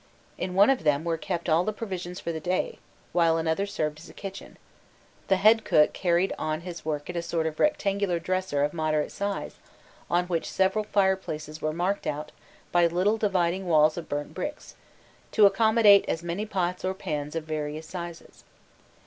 In one of them were kept all the provisions for the day, while another served as a kitchen: the head, cook carried on his work at a sort of rectangular dresser of moderate size, on which several fireplaces were marked out by little dividing walls of burnt bricks, to accommodate as many pots or pans of various sizes.